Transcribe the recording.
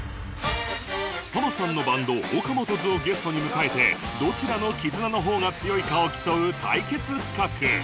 ハマさんのバンド ＯＫＡＭＯＴＯ’Ｓ をゲストに迎えてどちらの絆の方が強いかを競う対決企画